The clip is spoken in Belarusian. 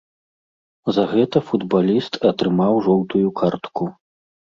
За гэта футбаліст атрымаў жоўтую картку.